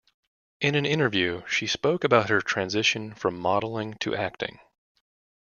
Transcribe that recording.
In an interview, she spoke about her transition from modeling to acting.